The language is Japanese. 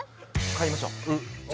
買いましょうじゃ